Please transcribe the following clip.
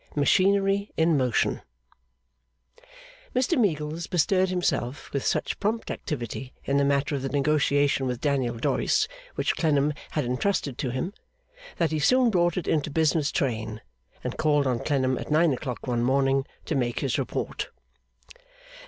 Machinery in Motion Mr Meagles bestirred himself with such prompt activity in the matter of the negotiation with Daniel Doyce which Clennam had entrusted to him, that he soon brought it into business train, and called on Clennam at nine o'clock one morning to make his report.